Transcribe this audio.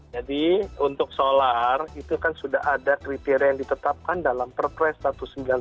jadi untuk solar itu kan sudah ada kriteria yang ditetapkan dalam perpres satu ratus sembilan puluh satu tahun dua ribu empat belas